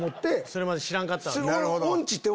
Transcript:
それまで知らんかったわけや。